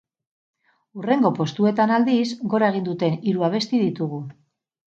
Hurrengo postuetan, aldiz, gora egin duten hiru abesti ditugu.